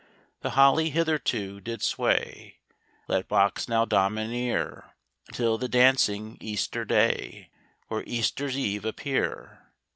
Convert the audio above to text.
The holly hitherto did sway; Let box now domineer, Until the dancing Easter day, Or Easter's eve appear.